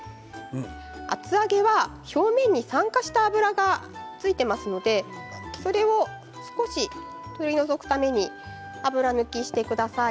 厚揚げは表面に酸化した油がついていますのでそれを少し取り除くために油抜きしてください。